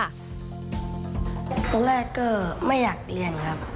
ตอนแรกก็ไม่อยากเรียนครับ